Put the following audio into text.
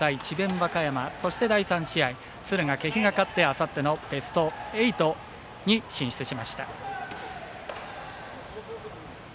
和歌山そして、第３試合敦賀気比が勝ってあさってのベスト８に進出しました。